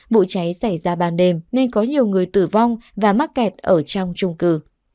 vụ cháy xảy ra ban đêm nên có nhiều người tử vong và mắc kẹt ở trong trung cư